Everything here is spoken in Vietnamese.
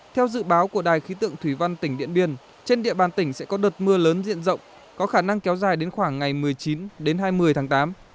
theo dự báo của đài khí tượng thủy văn tỉnh điện biên trên địa bàn tỉnh sẽ có đợt mưa lớn diện rộng có khả năng kéo dài đến khoảng ngày một mươi chín đến hai mươi tháng tám